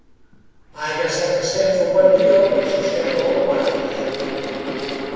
"I guess I c'n stand f'r one meal what you stand all the while," he added.